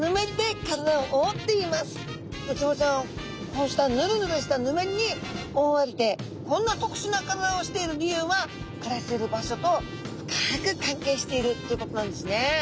ウツボちゃんはこうしたヌルヌルしたヌメリに覆われてこんな特殊な体をしている理由は暮らしている場所と深く関係しているということなんですね。